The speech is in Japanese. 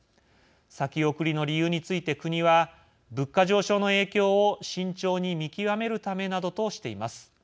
先送りの理由について国は物価上昇の影響を慎重に見極めるためなどとしています。